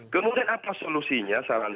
kemudian apa solusinya